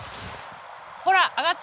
ほら上がった。